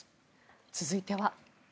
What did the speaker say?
続いては。